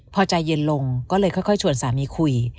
พอใจเย็นลงก็เลยค่อยชวนสามีคุย